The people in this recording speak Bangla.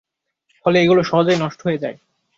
ফলে এগুলো সহজেই নষ্ট হয়ে যায়।